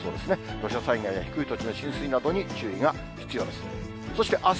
土砂災害や低い土地の浸水などに注意が必要です。